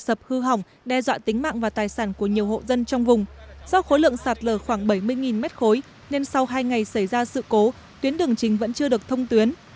sạt hư hỏng đe dọa tính mạng và tài sản của nhiều hộ dân trong vùng do khối lượng sạt lở khoảng bảy mươi m ba nên sau hai ngày xảy ra sự cố tuyến đường chính vẫn chưa được thông tuyến